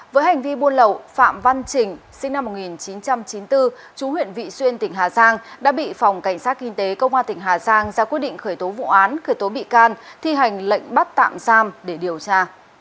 với hành vi buôn lậu phạm văn trình sinh năm một nghìn chín trăm chín mươi bốn chú huyện vị xuyên tỉnh hà giang đã bị phòng cảnh sát kinh tế công an tỉnh hà giang ra quyết định khởi tố vụ án khởi tố bị can thi hành lệnh bắt tạm giam để điều tra